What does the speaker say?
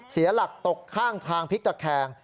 เสียหลักตกข้างทางพลิกตะแคง